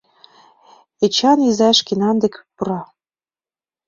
Эчан изай шкенан деке пура.